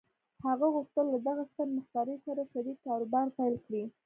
هغه غوښتل له دغه ستر مخترع سره شريک کاروبار پيل کړي.